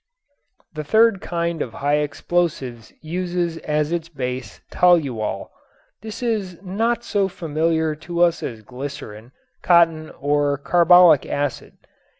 The third kind of high explosives uses as its base toluol. This is not so familiar to us as glycerin, cotton or carbolic acid.